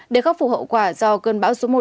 để khắc phục hậu quả do cơn bão số một